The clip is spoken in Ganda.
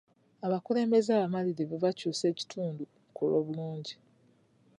Abakulembeze abamalirivu bakyuusa ekitundu ku lw'obulungi.